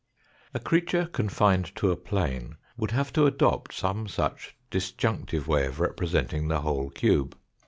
A creature confined to a plane would have to adopt some such disjunctive way of representing the whole cube.